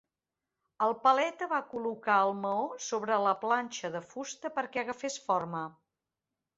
El paleta va col·locar el maó sobre la planxa de fusta perquè agafés forma.